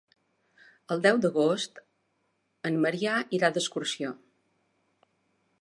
El deu d'agost en Maria irà d'excursió.